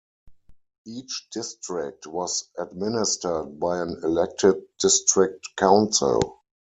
Each district was administered by an elected district council.